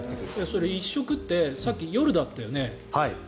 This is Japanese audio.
それ、１食ってさっき、夜だったよね？